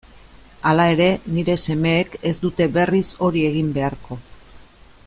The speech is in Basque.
Hala ere, nire semeek ez dute berriz hori egin beharko.